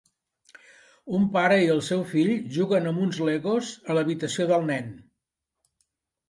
Un pare i el seu fill juguen amb uns Legos a l'habitació del nen.